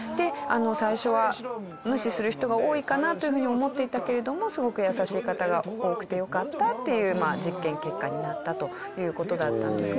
最初は無視する人が多いかなというふうに思っていたけれどもすごく優しい方が多くてよかったっていう実験結果になったという事だったんですね。